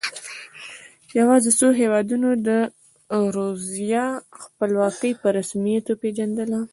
یوازې څو هېوادونو د رودزیا خپلواکي په رسمیت وپېژندله.